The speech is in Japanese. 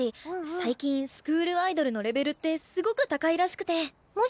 最近スクールアイドルのレベルってすごく高いらしくて。